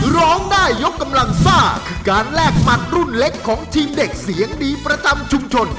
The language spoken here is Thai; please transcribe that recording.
ร้องได้ยกกำลังซ่าคือการแลกหมัดรุ่นเล็กของทีมเด็กเสียงดีประจำชุมชน